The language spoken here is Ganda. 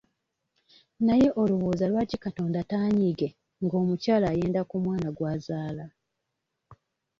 Naye olowooza lwaki Katonda taanyiige ng'omukyala ayenda ku mwana gw'azaala?